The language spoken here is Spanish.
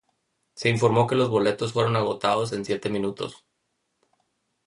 Se informó que los boletos fueron agotados en siete minutos.